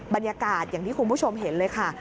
บรรยากาศอย่างที่คุณผู้ชมเห็นเลยค่ะ